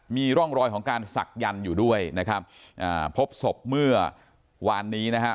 มีร่องรอยของการศักดันอยู่ด้วยนะครับอ่าพบศพเมื่อวานนี้นะฮะ